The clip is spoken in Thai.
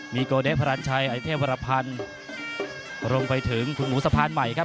มีโกเดชน์พารัชชัยอธิเทพรพันธ์ลงไปถึงคุณหมูสะพานใหม่ครับ